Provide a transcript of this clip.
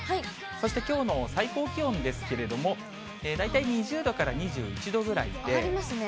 そしてきょうの最高気温ですけれども、大体２０度から２１度ぐら上がりますね。